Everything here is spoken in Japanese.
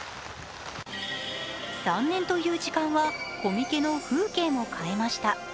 ３年という時間はコミケの風景も変えました。